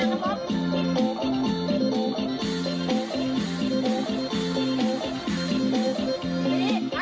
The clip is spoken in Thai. โอ้ยไม่สงสารกูเลยนะ